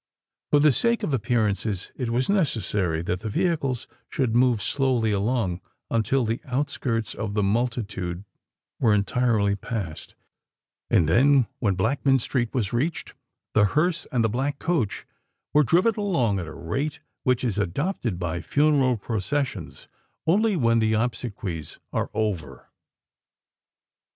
For the sake of appearances it was necessary that the vehicles should move slowly along, until the outskirts of the multitude were entirely passed: and then—when Blackman Street was reached—the hearse and the black coach were driven along at a rate which is adopted by funeral processions only when the obsequies are over.